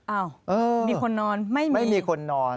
อ้าวมีคนนอนไม่มีไม่มีคนนอน